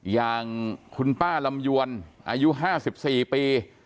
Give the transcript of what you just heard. อย่างคุณป้าลำยวนอายุ๕๔ปี